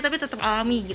tapi tetap alami